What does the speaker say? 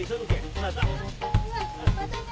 またね。